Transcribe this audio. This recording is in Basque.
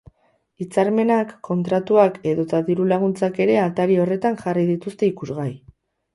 Hitzarmenak, kontratuak edota diru-laguntzak ere atari horretan jarri dituzte ikusgai.